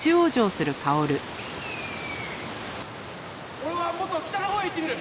俺はもっと北のほうへ行ってみる！